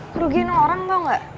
kerugian orang tau gak